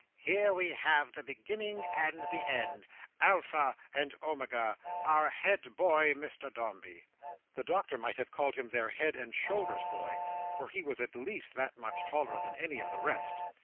"Here we have the beginning and the end. Alpha and Omega. Our head boy, Mr Dombey." The Doctor might have called him their head and shoulders boy, for he was at least that much taller than any of the rest.